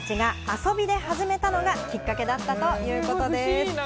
みくちゃんたちが遊びで始めたのが、きっかけだったということです。